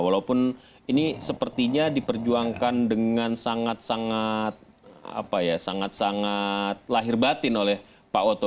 walaupun ini sepertinya diperjuangkan dengan sangat sangat lahir batin oleh pak oto